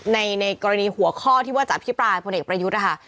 ในกรณีหัวข้อที่ว่าจากพี่ปลายพ่อเนธประยุทธนะคะ